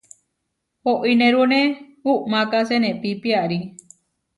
Oínerune uʼmáka senepí piarí.